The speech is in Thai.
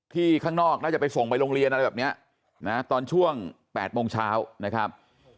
ข้างนอกน่าจะไปส่งไปโรงเรียนอะไรแบบนี้นะตอนช่วง๘โมงเช้านะครับ